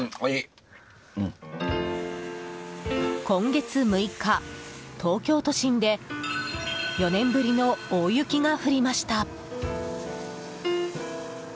今月６日、東京都心で４年ぶりの大雪が降りました。